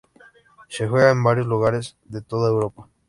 Se juega en varios lugares de toda Europa.